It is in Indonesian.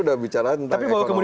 sudah bicara tentang ekonomi